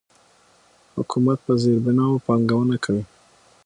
حکومت په زیربناوو پانګونه کوي.